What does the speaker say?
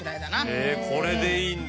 へぇこれでいいんだ。